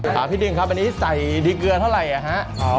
ค่ะพี่ดึงครับอันนี้ใส่ดีเกลือเท่าไรครับ